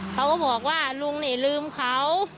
เขาก็บอกว่าลุงนี่ลืมเขา